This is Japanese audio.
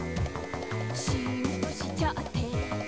「シーンとしちゃって」